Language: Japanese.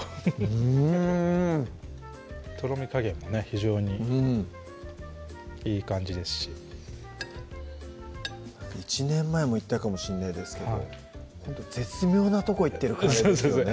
うんとろみ加減もね非常にいい感じですし１年前も言ったかもしんないですけどほんと絶妙なとこいってるカレーですよね